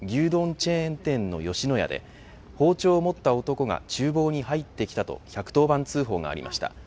チェーン店の吉野家で包丁を持った男が厨房に入ってきたと１１０番通報がありました。